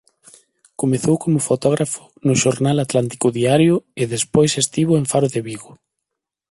Comezou como fotógrafo no xornal "Atlántico Diario" e despois estivo en "Faro de Vigo".